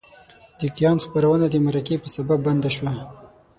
د کیان خپرونه د مرکې په سبب بنده شوه.